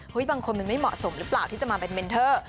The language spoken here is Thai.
บางคนมันไม่เหมาะสมหรือเปล่าที่จะมาเป็นเมนเทอร์